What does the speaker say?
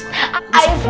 enak banget ustadz